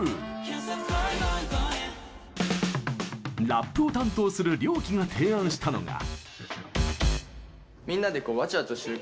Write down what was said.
ラップを担当するＲＹＯＫＩが提案したのが。